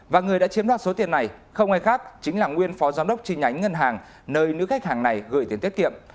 và người đã chiếm đoạt số tiền này không ai khác chính là nguyên phó giám đốc chi nhánh ngân hàng nơi nữ khách hàng này gửi tiền tiết kiệm